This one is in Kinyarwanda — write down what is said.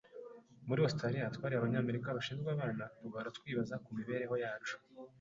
Muri Australia twari Abanyamerika bashinzwe abana, tugahora twibaza ku mibereho yacu.